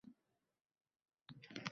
Natijada halovatimiz yo‘qoldi.